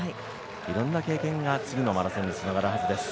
いろんな経験が次のマラソンにつながるはずです。